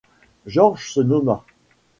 George se nomma.